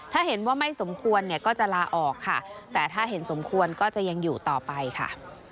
ถ้าเห็นว่าไม่สมควรเนี่ยก็จะลาออกค่ะแต่ถ้าเห็นสมควรก็จะยังอยู่ต่อไปค่ะ